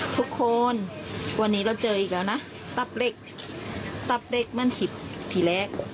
ทุกวันวันนี้เราเจออีกแล้วนะตับเล็กตับเด็กมันคิดทีแรก